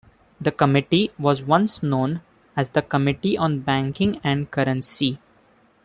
The committee was once known as the Committee on Banking and Currency.